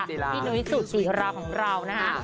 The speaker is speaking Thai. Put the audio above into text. พี่นุ้ยสูตรสีราของเรานะฮะ